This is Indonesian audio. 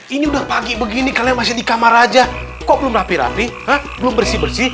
ini udah pagi begini kalian masih di kamar aja kok belum rapi rapi belum bersih bersih